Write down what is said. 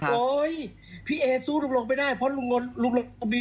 โอ๊ยพี่เอสู้ลุงลงไปได้เพราะลุงลง